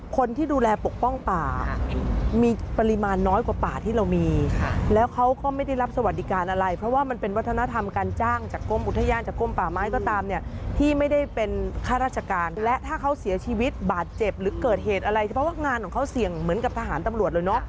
คนที่ดูแลปกป้องป่ามีปริมาณน้อยกว่าป่าที่เรามีแล้วเขาก็ไม่ได้รับสวัสดิการอะไรเพราะว่ามันเป็นวัฒนธรรมการจ้างจากกรมอุทยานจากกลมป่าไม้ก็ตามเนี่ยที่ไม่ได้เป็นข้าราชการและถ้าเขาเสียชีวิตบาดเจ็บหรือเกิดเหตุอะไรเพราะว่างานของเขาเสี่ยงเหมือนกับทหารตำรวจเลยเนอะ